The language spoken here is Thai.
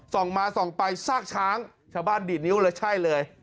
ส่องมาส่องไปซากช้างชาวบ้านดีดนิ้วเลยใช่เลย